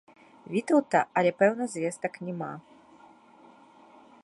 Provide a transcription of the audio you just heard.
Вітаўта, але пэўных звестак няма.